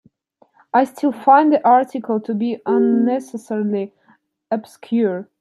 I still find the article to be unnecessarily obscure.